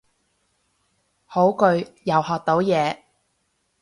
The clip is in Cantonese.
好句，又學到嘢